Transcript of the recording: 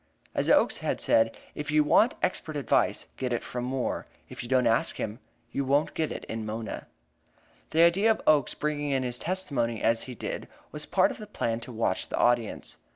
As Oakes had said: "If you want expert evidence, get it from Moore; if you don't ask him, you won't get it in Mona." The idea of Oakes bringing in his testimony as he did was part of the plan to watch the audience.